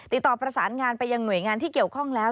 ติดต่อประสานงานไปยังหน่วยงานที่เกี่ยวข้องแล้ว